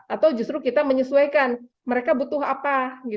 atau justru kita menyesuaikan mereka butuh apa